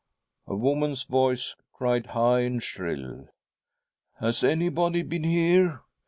A woman's voice Cried high and shrill :' Has any body been here